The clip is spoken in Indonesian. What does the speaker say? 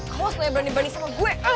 awas lo yang berani berani sama gue